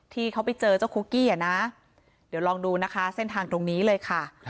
ที่เขาไปเจอเจ้าคุกกี้อะนะเดี๋ยวลองดูนะคะเส้นทางตรงนี้เลยค่ะ